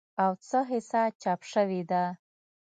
او څه حصه چاپ شوې ده